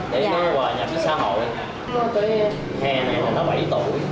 cái khen này không có gì không có gì không có gì không có gì